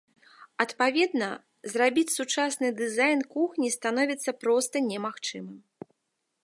Адпаведна, зрабіць сучасны дызайн кухні становіцца проста немагчымым.